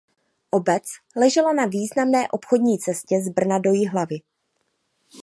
Obec ležela na významné obchodní cestě z Brna do Jihlavy.